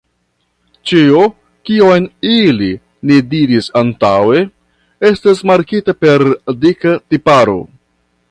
Ĉio, kion ili ne diris antaŭe, estas markita per dika tiparo.